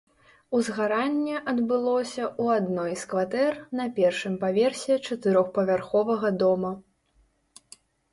Узгаранне адбылося ў адной з кватэр на першым паверсе чатырохпавярховага дома.